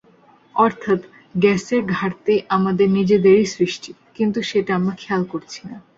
অর্থাৎ গ্যাসের ঘাটতি আমাদের নিজেদেরই সৃষ্টি, কিন্তু সেটা আমরা খেয়াল করছি না।